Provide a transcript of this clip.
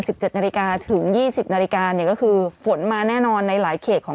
สิบเจ็ดนาฬิกาถึงยี่สิบนาฬิกาเนี่ยก็คือฝนมาแน่นอนในหลายเขตของ